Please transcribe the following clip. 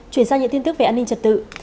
chuyển sang những tin tức về an ninh trật tự